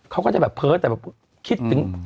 เขาก็จะแบบเพ้อแต่แบบคิดถึง